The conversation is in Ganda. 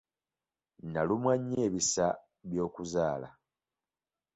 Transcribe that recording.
Nnalumwa nnyo ebisa by'okuzaala.